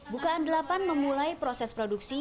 bukaan delapan memulai proses produksi